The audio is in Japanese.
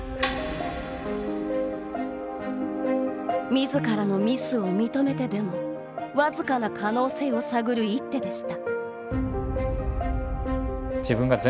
みずからのミスを認めてでも僅かな可能性を探る一手でした。